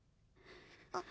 あっ。